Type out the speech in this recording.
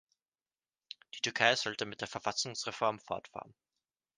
Die Türkei sollte mit der Verfassungsreform fortfahren.